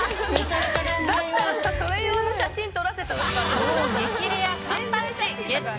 超激レア缶バッジゲット